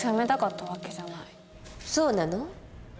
そうなの？